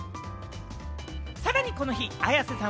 さらにこの日、綾瀬さん